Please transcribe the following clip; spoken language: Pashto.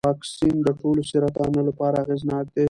ایا واکسین د ټولو سرطانونو لپاره اغېزناک دی؟